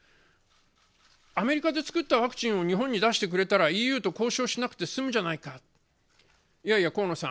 アメリカで作ったワクチンを日本に出してくれたらＥＵと交渉しなくてすむじゃないか、いやいや河野さん